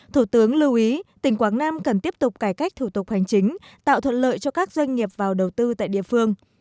thủ tướng lưu ý tỉnh quảng nam cần tiếp tục cải cách thủ tục hành chính tạo thuận lợi cho các doanh nghiệp vào đầu tư tại địa phương